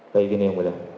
kayak gini yang mulia